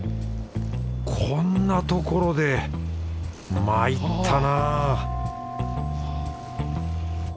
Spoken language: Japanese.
こんなところでまいったなぁ